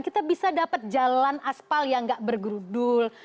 kita bisa dapat jalan aspal yang gak bergerudul